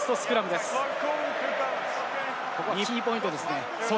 ここはキーポイントですね。